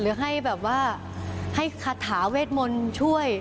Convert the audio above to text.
หรือให้แบบว่าให้คาถาเวทมนต์ช่วย